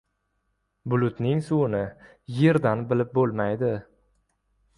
• Bulutning suvini yerdan bilib bo‘lmaydi.